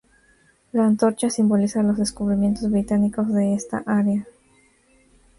La antorcha simboliza los descubrimientos británicos de esta área.